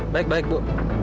baik baik bu